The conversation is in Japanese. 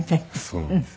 そうなんです。